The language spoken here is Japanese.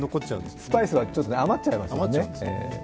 スパイスは余っちゃいますもんね。